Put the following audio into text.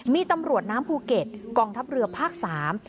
มีตำรวจน้ำภูเก็ตกองทัพเรือภาคสาม